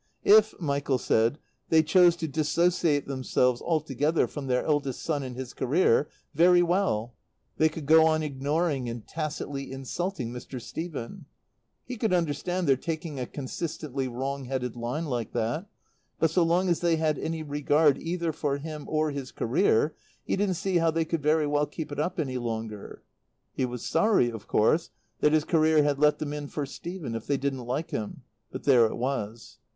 If, Michael said, they chose to dissociate themselves altogether from their eldest son and his career, very well. They could go on ignoring and tacitly insulting Mr. Stephen. He could understand their taking a consistently wrong headed line like that; but so long as they had any regard, either for him or his career, he didn't see how they could very well keep it up any longer. He was sorry, of course, that his career had let them in for Stephen if they didn't like him; but there it was.